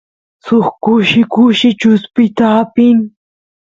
suk kushi kushi chuspita apin